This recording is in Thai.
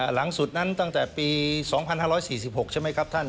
หลังสุดนั้นตั้งแต่ปี๒๕๔๖ใช่ไหมครับท่าน